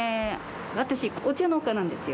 私、お茶農家なんですよ。